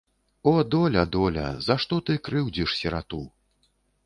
О, доля, доля, за што ты крыўдзіш сірату.